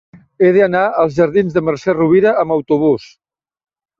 He d'anar als jardins de Mercè Rovira amb autobús.